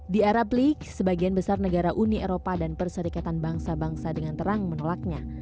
di arab league sebagian besar negara uni eropa dan perserikatan bangsa bangsa dengan terang menolaknya